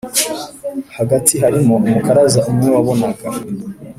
hagati harimo umukaraza umwe wabonaga